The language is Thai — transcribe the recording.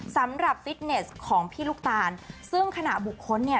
สำหรับฟิตเนสของพี่ลูกตาลซึ่งขณะบุคคลเนี่ย